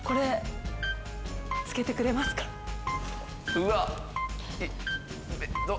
うわっ！